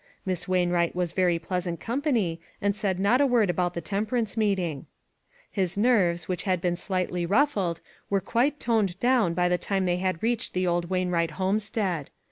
Miss Wainwright was very pleasant company, and said not a word about the temperance meeting. His nerves, which had been slightly ruf fled, were quite toned down by the time they reached the old Wainwright homestead.